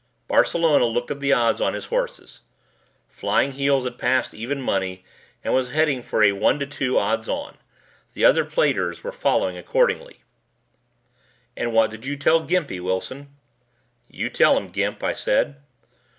Barcelona looked at the odds on his horses. Flying Heels had passed even money and was heading for a one to two odds on. The other platers were following accordingly. "And what did you tell Gimpy, Wilson?" "You tell him, Gimp," I said.